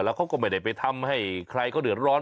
แล้วเขาก็ไม่ได้ไปทำให้ใครเขาเดือดร้อน